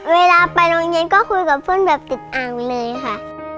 เวลาไปโรงเรียนก็คุยกับเพื่อนแบบติดอังเลยค่ะ